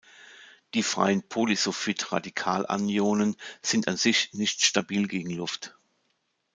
Die freien Polysulfid-Radikalanionen sind an sich nicht stabil gegen Luft.